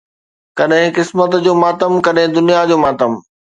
ڪڏهن قسمت جو ماتم، ڪڏهن دنيا جو ماتم